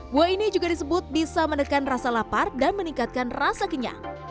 buah ini juga disebut bisa menekan rasa lapar dan meningkatkan rasa kenyang